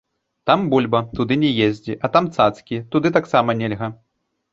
Там бульба, туды не ездзі, а там цацкі, туды таксама нельга.